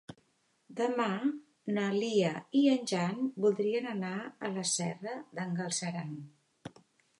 Demà na Lia i en Jan voldrien anar a la Serra d'en Galceran.